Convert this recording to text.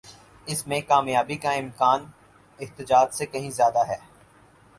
اس میں کامیابی کا امکان احتجاج سے کہیں زیادہ ہے۔